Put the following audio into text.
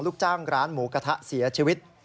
ลูกจ้างร้านหมูกระทะเสียชีวิต